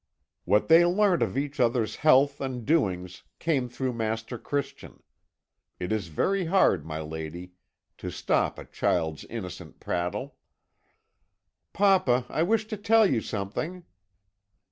"What they learnt of each other's health and doings came through Master Christian; it is very hard, my lady, to stop a child's innocent prattle. "'Papa, I wish to tell you something.'